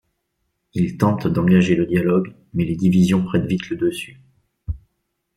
Ils tentent d'engager le dialogue, mais les divisions prennent vite le dessus...